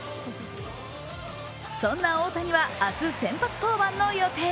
そんな大谷は明日先発登板の予定。